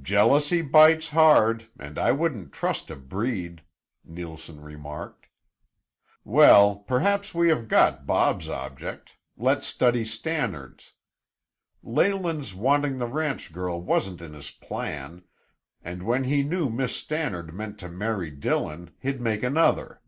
"Jealousy bites hard, and I wouldn't trust a breed," Neilson remarked. "Well, perhaps we have got Bob's object; let's study Stannard's. Leyland's wanting the ranch girl wasn't in his plan, and when he knew Miss Stannard meant to marry Dillon he'd make another.